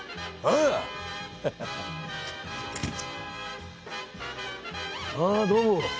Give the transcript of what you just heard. ああどうも。